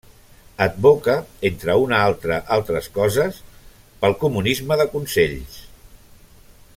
Advoca, entre una altra altres coses, pel comunisme de consells.